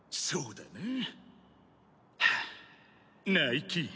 そうだな。